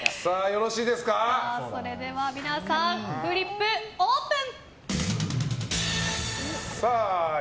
それでは皆さんフリップオープン！